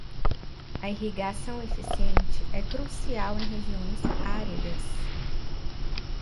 A irrigação eficiente é crucial em regiões áridas.